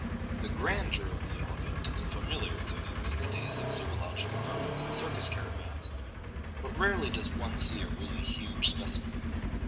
— The grandeur of the elephant is a familiar thing in these days of zoological gardens and circus caravans, but rarely does one see a really huge specimen.